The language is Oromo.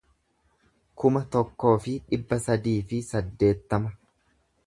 kuma tokkoo fi dhibba sadii fi saddeettama